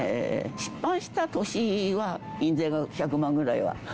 出版した年は、印税が１００万ぐらいは。